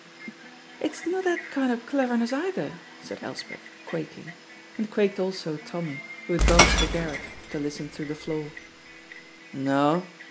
"It's no that kind of cleverness either," said Elspeth, quaking, and quaked also Tommy, who had gone to the garret, to listen through the floor. "No?